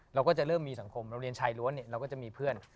เราก็จะเริ่มมีสังคมเราเรียนชายล้วนเราก็จะมีเพื่อน